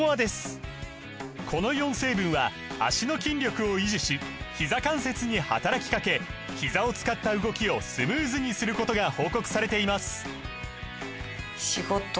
この４成分は脚の筋力を維持しひざ関節に働きかけひざを使った動きをスムーズにすることが報告されています